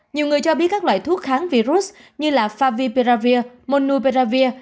nhiều người cho biết các loại thuốc kháng virus như là favipiravir monupiravir